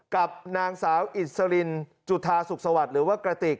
กับนางสาวอิสรินจุธาสุขสวัสดิ์หรือว่ากระติก